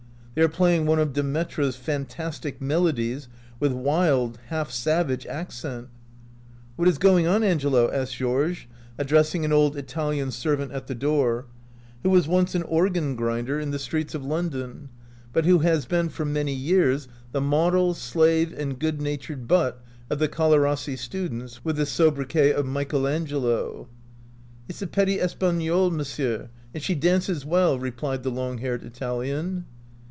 They are playing one of De Metra's fantastic melodies with wild, half savage accent. " What is going on, Angelo?" asks Georges, addressing an old Italian servant at the door, who was once an organ grinder in the streets 9 OUT OF BOHEMIA of London, but who has been for many years the model, slave, and good natured butt of the Colarrossi students, with the sobriquet of Michael Angelo. "It 's the petite Espagnole, monsieur, and she dances well," replied the long haired Italian.